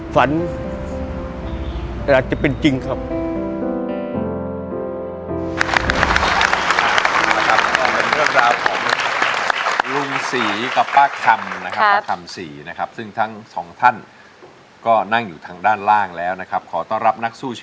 ฝันอยากจะเป็นจริงครับ